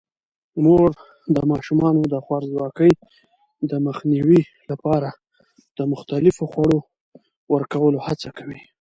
مور د ماشومانو د خوارځواکۍ د مخنیوي لپاره د مختلفو خوړو ورکولو هڅه کوي.